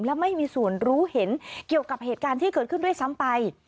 และไม่มีส่วนรู้เห็นเกี่ยวกับเหตุการณ์ที่เกิดขึ้นด้วยซ้ำไป